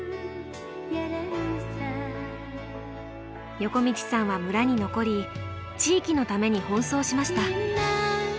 横道さんは村に残り地域のために奔走しました。